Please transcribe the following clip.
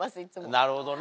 なるほどね